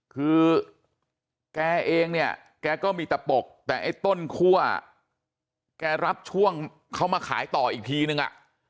คือแกเองเนี่ยแกก็มีแต่ปกแต่ไอ้ต้นคั่วแกรับช่วงเขามาขายต่ออีกทีนึงอ่ะ